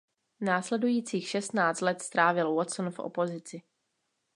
Následujících šestnáct let strávil Watson v opozici.